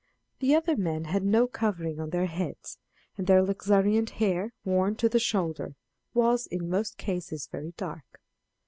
The other men had no covering on their heads, and their luxuriant hair, worn to the shoulders, was, in most cases, very dark.